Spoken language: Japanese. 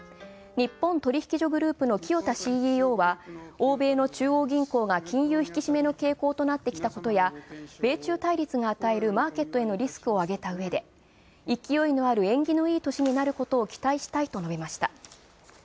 日本取引所グループの清田ＣＥＯは欧米の中央銀行が金融引き締めの傾向となってきたことや米中対立が与えるマーケットへのリスクを挙げたうえで勢いのある縁起のいい年になることを期待したいと述べました。